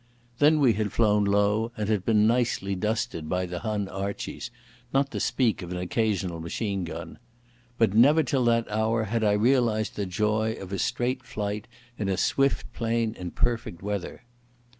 Then we had flown low, and been nicely dusted by the Hun Archies, not to speak of an occasional machine gun. But never till that hour had I realised the joy of a straight flight in a swift plane in perfect weather.